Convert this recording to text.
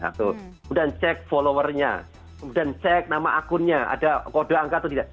kemudian cek followernya kemudian cek nama akunnya ada kode angka atau tidak